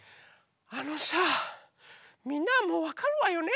あのさあみんなはもうわかるわよね？